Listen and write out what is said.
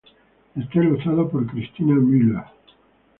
Está ilustrado por Cristina Müller.